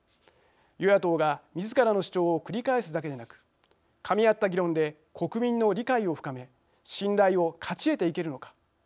与野党が、みずからの主張を繰り返すだけでなくかみ合った議論で国民の理解を深め信頼を勝ちえていけるのか。